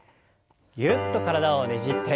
ぎゅっと体をねじって。